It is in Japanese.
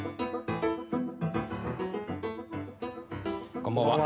こんばんは。